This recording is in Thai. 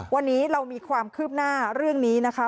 วันนี้เรามีความคืบหน้าเรื่องนี้นะคะ